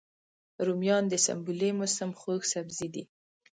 رومیان د سنبلې موسم خوږ سبزی دی